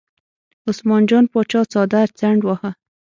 عثمان جان پاچا څادر څنډ واهه.